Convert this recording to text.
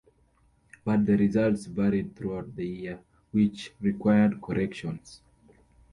But the results varied throughout the year, which required corrections.